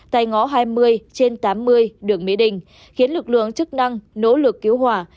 tại ngõ hai mươi trên tám mươi đường mỹ đình khiến lực lượng chức năng nỗ lực cứu hỏa